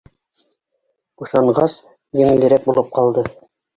Бушанғас, еңелерәк булып ҡалды.